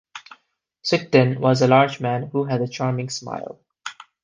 Sugden was a large man who had a charming smile.